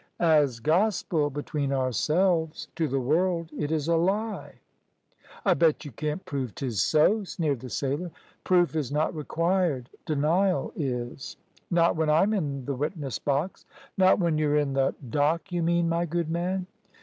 "As gospel, between ourselves. To the world it is a lie." "I bet you can't prove 'tis so," sneered the sailor. "Proof is not required. Denial is." "Not when I'm in th' witness box." "Not when you're in the dock, you mean, my good man."